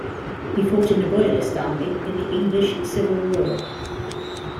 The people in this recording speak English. He fought in the Royalist army in the English Civil War.